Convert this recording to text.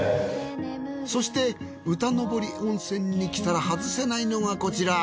そして歌登温泉に来たら外せないのがこちら。